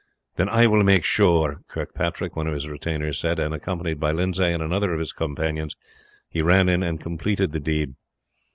"Then I will make sure," Kirkpatrick, one of his retainers, said; and accompanied by Lindsay and another of his companions he ran in and completed the deed.